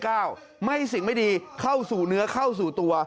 ไม่สิ่งไม่ดีเข้าสู่เนื้อเข้าสู่ตัว